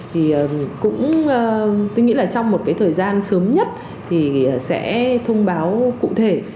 thì cũng nghĩ là trong một cái thời gian sớm nhất thì sẽ thông báo cụ thể